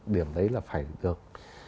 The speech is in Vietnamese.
điểm đấy là phải được